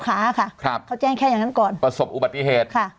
ค่ะครับเขาแจ้งแค่อย่างนั้นก่อนประสบอุบัติเหตุค่ะ